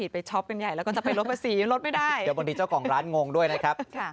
เดี๋ยวบางทีเจ้าของร้านงงด้วยนะครับ